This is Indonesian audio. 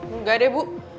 enggak deh bu